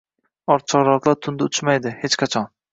— Oqcharloqlar tunda uchmaydi! Hech qachon!